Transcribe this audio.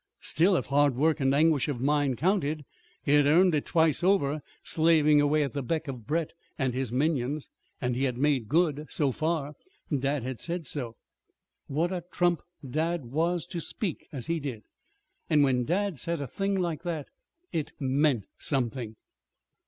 Still, if hard work and anguish of mind counted, he had earned it twice over, slaving away at the beck of Brett and his minions. And he had made good so far. Dad had said so. What a trump dad was to speak as he did! And when dad said a thing like that, it meant something!